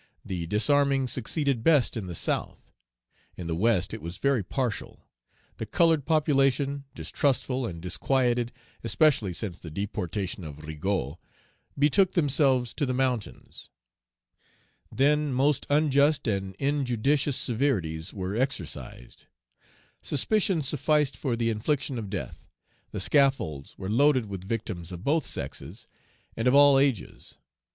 The disarming succeeded best in the South; in the West it was very partial; the colored population, distrustful and disquieted, especially since the deportation of Rigaud, betook themselves to the mountains; then most unjust and injudicious severities were exercised; suspicion sufficed for the infliction of death; the scaffolds were loaded with victims of both sexes, and of all ages.